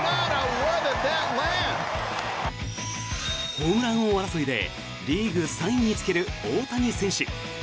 ホームラン王争いでリーグ３位につける大谷選手。